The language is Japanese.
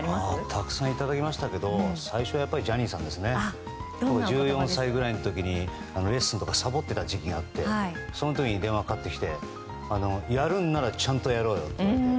たくさんいただきましたけど最初はやっぱりジャニーさんで１４歳の時レッスンとかサボってた時期があってその時に電話がかかってきてやるならちゃんとやろうよって言われて。